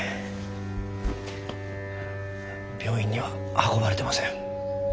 病院には運ばれてません。